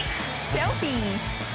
セルフィー！